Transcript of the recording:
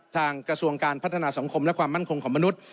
กระทรวงการพัฒนาสังคมและความมั่นคงของมนุษย์